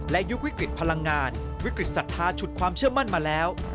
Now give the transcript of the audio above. และยุควิกฤตพลังงานวิกฤตศรัทธาฉุดความเชื่อมั่นมาแล้ว